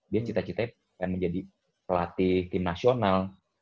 dia cita citanya pengen menjadi pelatih tim nasional